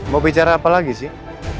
mau bicara apa lagi sih